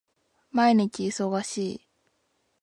毎日忙しい